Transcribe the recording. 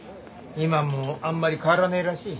今もあんまり変わらねえらしい。